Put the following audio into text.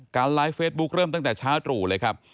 ไลฟ์เฟซบุ๊คเริ่มตั้งแต่เช้าตรู่เลยครับ